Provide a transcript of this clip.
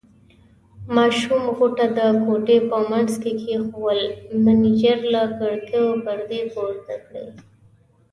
ماشوم غوټه د کوټې په منځ کې کېښوول، مېنېجر له کړکیو پردې پورته کړې.